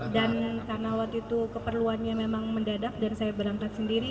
dan karena waktu itu keperluannya memang mendadak dan saya berangkat sendiri